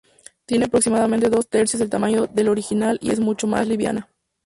Tiene aproximadamente dos tercios del tamaño del original y es mucho más liviana.